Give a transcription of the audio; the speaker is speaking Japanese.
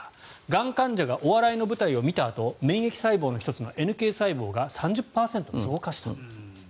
がん患者がお笑いの舞台を見たあと免疫細胞の１つのＮＫ細胞が３０％増加した。